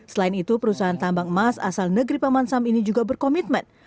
selain itu perusahaan tambang emas asal negeri paman sam ini juga berkomitmen